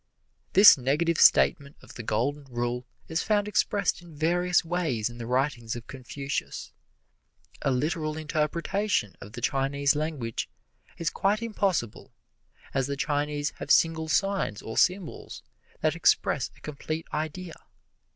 This negative statement of the Golden Rule is found expressed in various ways in the writings of Confucius. A literal interpretation of the Chinese language is quite impossible, as the Chinese have single signs or symbols that express a complete idea.